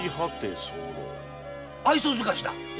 愛想づかしだ！